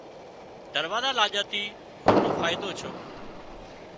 دراوزو لاڄا ٿِي موٽو فائيڌو ڇو